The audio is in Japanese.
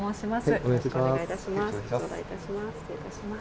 よろしくお願いします。